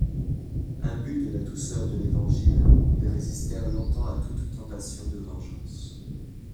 Imbus de la douceur de l'Évangile, ils résistèrent longtemps à toute tentation de vengeance.